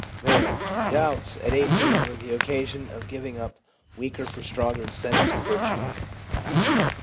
M. ' Doubts (at 18) were the occasion of giving up weaker for stronger incentives to virtue.